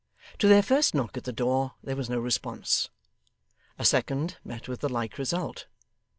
To their first knock at the door there was no response. A second met with the like result.